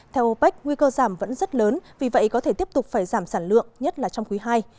theo opec nguy cơ giảm vẫn rất lớn vì vậy có thể tiếp tục phải giảm sản lượng nhất là trong quý ii